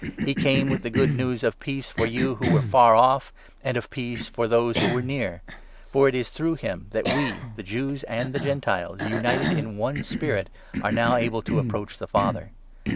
He came with the Good News of peace for you who 17 were ' far off,' and of peace for those who were ' near '; for it 18 is through him that we, the Jews and the Gentiles, united in the one Spirit, are now able to approach the Father.